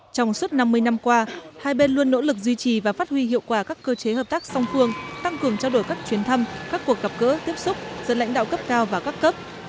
trong suốt năm mươi năm qua hai bên luôn nỗ lực duy trì và phát huy hiệu quả các cơ chế hợp tác song phương tăng cường trao đổi các chuyến thăm các cuộc gặp gỡ tiếp xúc giữa lãnh đạo cấp cao và các cấp